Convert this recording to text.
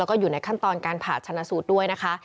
แล้วก็อยู่ในขั้นตอนการผ่าชนะสูตรด้วยนะคะ